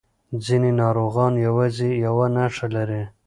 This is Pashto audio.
ځینې ناروغان یوازې یو نښه لري.